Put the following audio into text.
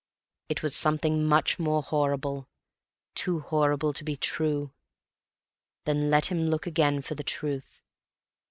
It was something much more horrible. Too horrible to be true. Then let him look again for the truth.